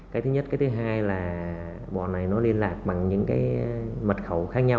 cái thứ nhất cái thứ hai là bọn này nó liên lạc bằng những mật khẩu khác nhau